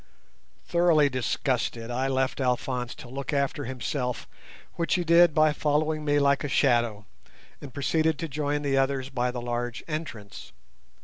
Thoroughly disgusted, I left Alphonse to look after himself, which he did by following me like a shadow, and proceeded to join the others by the large entrance.